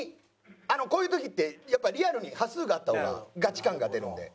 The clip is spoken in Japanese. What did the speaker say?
こういう時ってやっぱリアルに端数があった方がガチ感が出るんで。